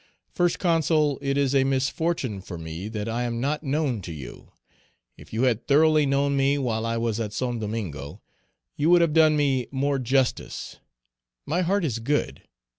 "First Consul, it is a misfortune for me that I am not known to you. If you had thoroughly known me while I was at St. Domingo, you would have done me more justice; my heart is good.